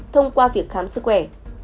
thông qua việc khám sức khỏe